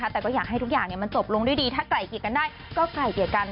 แต่ก็อยากให้ทุกอย่างมันจบลงด้วยดีถ้าไกล่เกลียดกันได้ก็ไกล่เกลียดกัน